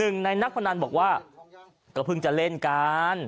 ๑ในนักพนันอย่างเบยดก็พึงจะเล่นการ